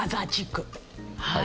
はい。